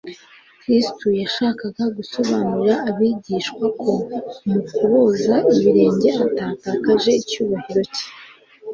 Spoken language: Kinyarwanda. Kristo yashakaga gusobanurira abigishwa ko mu kuboza ibirenge atatakaje icyubahiro cye